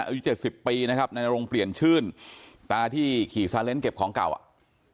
อายุเจ็ดสิบปีนะครับนายนรงเปลี่ยนชื่นตาที่ขี่ซาเล้งเก็บของเก่าอ่ะ